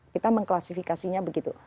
kita mengklasifikasinya begitu